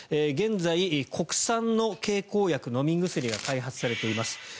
現在、国産の経口薬、飲み薬が開発されています。